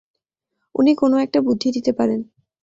উনি কোনো-একটা বুদ্ধি দিতে পারেন।